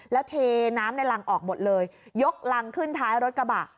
แล้วเทน้ำในรังออกหมดเลยยกรังขึ้นท้ายรถกระบะ